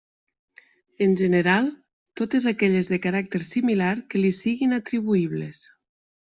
En general, totes aquelles de caràcter similar que li siguin atribuïbles.